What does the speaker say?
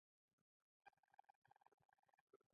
اعتقادي موضع دفاع دلیل نه لري.